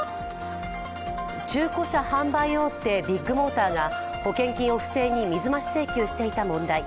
中古車販売大手、ビッグモーターが保険金を不正に水増し請求していた問題。